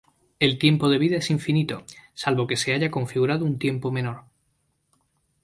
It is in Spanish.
El tiempo de vida es infinito, salvo que se haya configurado un tiempo menor.